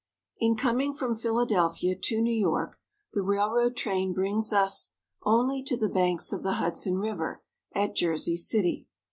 IN coming from Philadelphia to New York, the railroad train brings us only to the banks of the Hudson River at Jersey City.